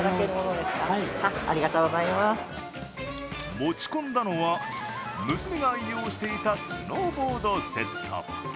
持ち込んだのは、娘が愛用していたスノーボードセット。